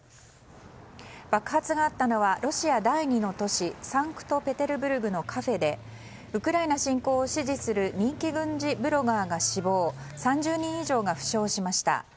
爆発があったのはロシア第２の都市サンクトペテルブルクのカフェでウクライナ侵攻を支持する人気軍事ブロガーが死亡３０人以上が負傷しました。